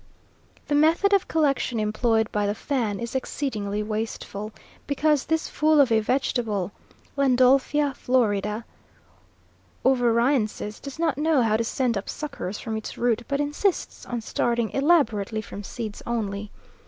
The method of collection employed by the Fan is exceedingly wasteful, because this fool of a vegetable Landolphia florida (Ovariensis) does not know how to send up suckers from its root, but insists on starting elaborately from seeds only.